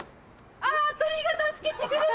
あ鳥が助けてくれた！